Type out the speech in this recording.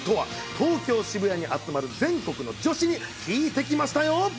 東京・渋谷に集まる全国の女子に聞いてきましたよ。